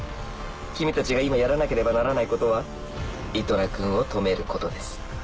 君たちが今やらなければならないことはイトナ君を止めることです